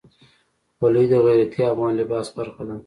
خولۍ د غیرتي افغان لباس برخه ده.